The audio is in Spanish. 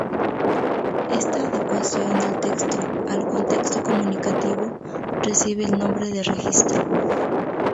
Esta adecuación del texto al contexto comunicativo recibe el nombre de registro.